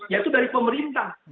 yaitu dari pemerintah